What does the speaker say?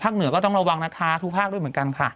เหนือก็ต้องระวังนะคะทุกภาคด้วยเหมือนกันค่ะ